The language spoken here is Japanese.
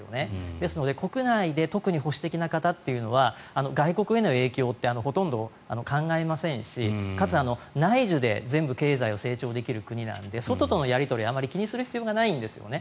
ですので、国内で特に保守的な方というのは外国への影響ってほとんど考えませんしかつ、内需で全部経済を成長できる国なので外とのやり取りを気にする必要がないんですね。